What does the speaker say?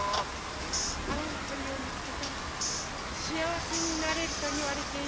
あおいとりをみつけたらしあわせになれるといわれているの。